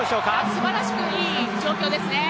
すばらしくいい状況ですね。